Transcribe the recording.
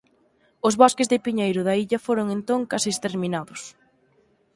Os bosques de piñeiro da illa foron entón case exterminados.